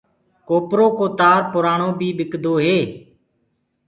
ڪوپرو ڪو تآر پُرآڻو بي ٻِڪدو هي۔